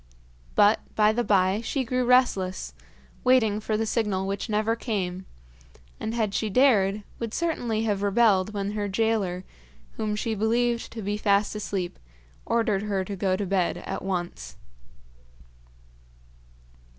But by and by she grew restless, waiting for the signal which never came, and, had she dared, would certainly have rebelled when her gaoler, whom she believed to be fast asleep, ordered her to go to bed at once.